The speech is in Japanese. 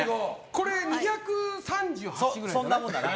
これ２３８ぐらいだね。